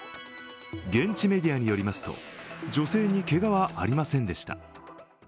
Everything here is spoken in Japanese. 現地メディアによりますと女性にけがはありませんでした。